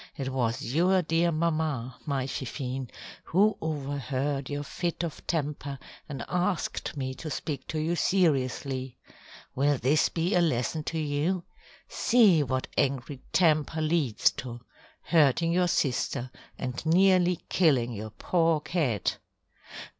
It was your dear mamma, my Fifine, who overheard your fit of temper and asked me to speak to you seriously. Will this be a lesson to you? See what angry temper leads to hurting your sister, and nearly killing your poor cat."